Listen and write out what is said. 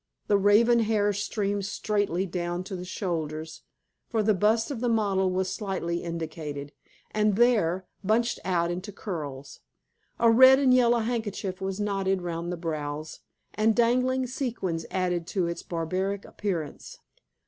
The raven hair streamed straightly down to the shoulders for the bust of the model was slightly indicated and there, bunched out into curls. A red and yellow handkerchief was knotted round the brows, and dangling sequins added to its barbaric appearance.